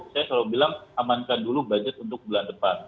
saya selalu bilang amankan dulu budget untuk bulan depan